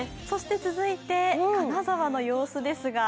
続いて金沢の様子ですが。